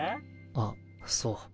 あっそう。